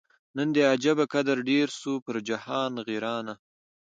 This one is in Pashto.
نن دي عجبه قدر ډېر سو پر جهان غیرانه